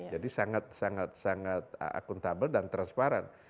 jadi sangat sangat akuntabel dan transparan